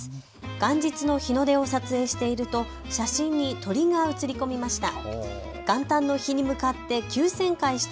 元日の日の出を撮影していると写真に鳥が写り込みました。